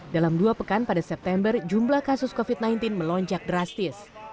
dalam dua pekan pada september jumlah kasus covid sembilan belas melonjak drastis